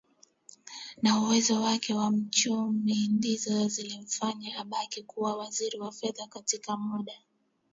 na uwezo wake kama mchumi ndizo zilizomfanya abaki kuwa Waziri wa Fedha katika muda